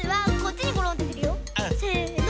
せの。